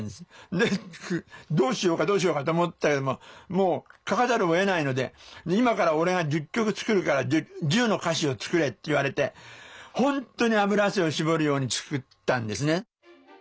でどうしようかどうしようかと思ったけどもう書かざるをえないので「今から俺が１０曲作るから１０の歌詞を作れ」って言われて本当に脂汗を絞るように作ったんですね。